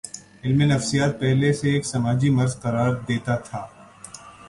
علم نفسیات پہلے اسے ایک سماجی مرض قرار دیتا تھا۔